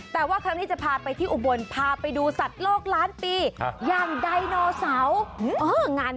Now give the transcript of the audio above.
แต่ว่าครั้งนี้จะพาไปที่อุบลพาไปดูสัตว์โลกล้านปีอย่างไดโนเสาร์